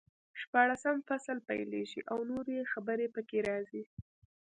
شپاړسم فصل پیلېږي او نورې خبرې پکې راځي.